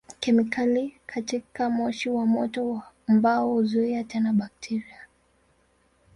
Kemikali katika moshi wa moto wa mbao huzuia tena bakteria.